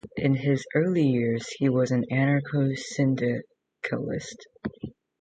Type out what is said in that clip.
In his early years he was an Anarcho-syndicalist.